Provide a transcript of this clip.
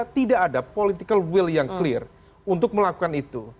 tidak ada political will yang clear untuk melakukan itu